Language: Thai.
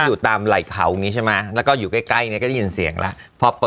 ก่อนละห้องนี้ใช่ไหมแล้วก็อยู่ใกล้ให้ก็นี่เสียงแล้วพอ